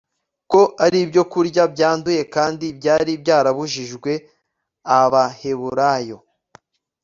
ko ari ibyokurya byanduye, kandi byari byarabujijwe abaheburayo